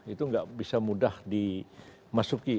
itu nggak bisa mudah dimasuki